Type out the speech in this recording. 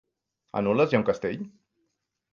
A Nules hi ha un castell?